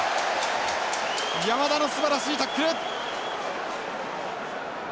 山田のすばらしいタックル。